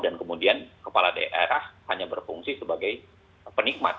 dan kemudian kepala daerah hanya berfungsi sebagai penikmat